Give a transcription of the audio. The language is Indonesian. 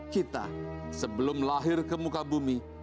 kita sebelum lahir ke muka bumi